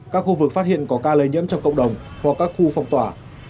các khu vực phát hiện có ca lây nhiễm trong cộng đồng hoặc các khu phong tỏa